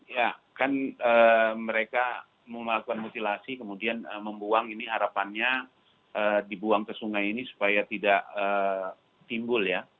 ya kan mereka melakukan mutilasi kemudian membuang ini harapannya dibuang ke sungai ini supaya tidak timbul ya